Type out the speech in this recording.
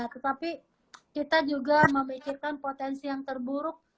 tetapi kita juga memikirkan potensi yang terburuk